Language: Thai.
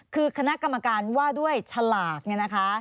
คือคณะกรรมการว่าด้วยฉลาก